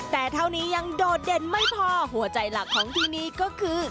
แต่เท่านี้ยังโดดเด่นไม่พอหัวใจหลักของที่นี่ก็คือ